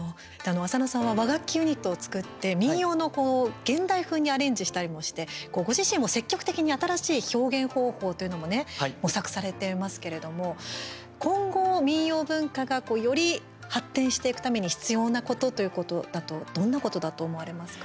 浅野さんは和楽器ユニットを作って民謡の現代風にアレンジしたりもしてご自身も積極的に新しい表現方法というのもね模索されていますけれども今後、民謡文化がより発展していくために必要なことということだとどんなことだと思われますか。